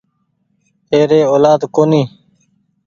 ايري اولآد ڪونيٚ